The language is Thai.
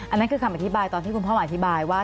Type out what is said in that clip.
อันนั้นคือคำอธิบายตอนที่คุณพ่อมาอธิบายว่า